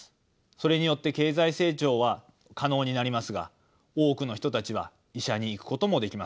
それによって経済成長は可能になりますが多くの人たちは医者に行くこともできません。